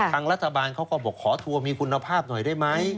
ทางรัฐบาลเขาก็บอกขอทัวร์มีคุณภาพหน่อยได้ไหม